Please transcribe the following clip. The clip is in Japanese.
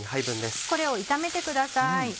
これを炒めてください。